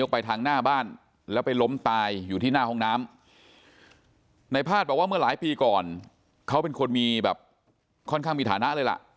เพราะว่าเมื่อหลายปีก่อนเขาเป็นคนมีแบบค่อนข้างมีฐานะเลยล่ะ